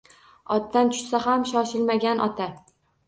Otdan tushishga shoshilmagan ota.